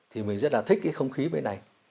thì mình rất là thích cái không khí bên này